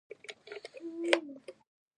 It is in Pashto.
ایا مصنوعي ځیرکتیا د ځواک تمرکز نه پیاوړی کوي؟